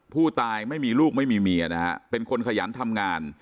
ไม่มีลูกไม่มีเมียนะฮะเป็นคนขยันทำงาน